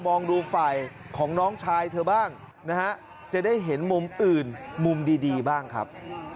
มองดูฝ่ายของน้องชายเธอบ้างนะฮะจะได้เห็นมุมอื่นมุมดีบ้างครับ